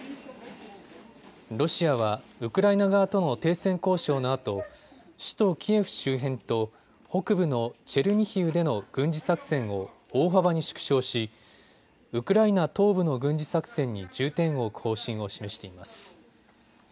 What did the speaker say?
ロシアはウクライナ側との停戦交渉のあと首都キエフ周辺と北部のチェルニヒウでの軍事作戦を大幅に縮小しウクライナ東部の軍事作戦に重点を置く方針を示しています。